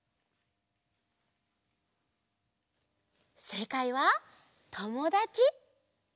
せいかいは「ともだち」。